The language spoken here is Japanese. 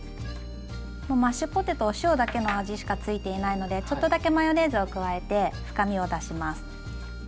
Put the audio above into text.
マッシュポテトお塩だけの味しかついていないのでちょっとだけマヨネーズを加えて深みを出します。